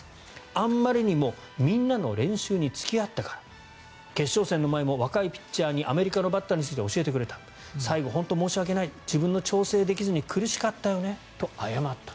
あんまりにもみんなの練習に付き合ったから決勝戦の前も若いピッチャーにアメリカのバッターについて教えてくれた最後、本当に申し訳ない自分の調整ができずに苦しかったよねと謝った。